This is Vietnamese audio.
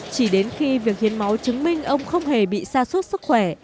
chỉ đến khi việc hiến máu chứng minh ông không hề bị xa suốt sức khỏe